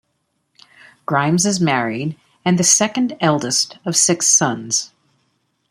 Grimes is married, and the second eldest of six sons.